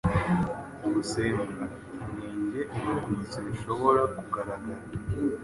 Ubusembwa: inenge ibimenyetso bishobora kugaragara